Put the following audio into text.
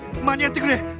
間に合ってくれ！